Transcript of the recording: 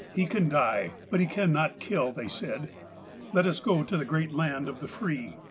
He can die. But he cannot kill," they said. '' Let us go to the great laud of the free.